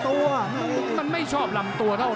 ติดตามยังน้อยกว่า